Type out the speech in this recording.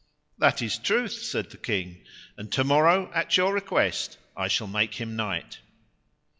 That is truth, said the king, and to morrow at your request I shall make him knight.